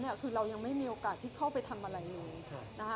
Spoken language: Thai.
แต่ทีนี้เรายังไม่มีโอกาสที่เข้าไปทำอะไรเลย